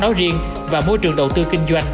nói riêng và môi trường đầu tư kinh doanh